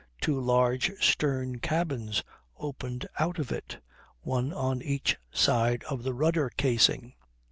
Two large stern cabins opened out of it, one on each side of the rudder casing.